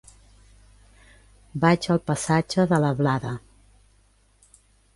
Vaig al passatge de la Blada.